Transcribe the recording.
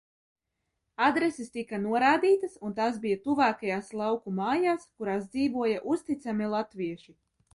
Adreses tika norādītas un tās bija tuvākajās lauku mājās, kurās dzīvoja uzticami latvieši.